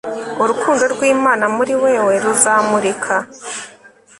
urukundo rw'imana muri wewe ruzamurika